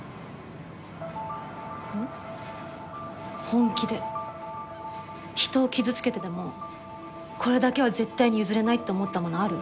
本気で人を傷つけてでもこれだけは絶対に譲れないって思ったものある？